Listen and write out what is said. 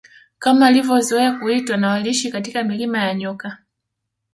Kama walivyozoea kuitwa na waliishi katika milima ya nyoka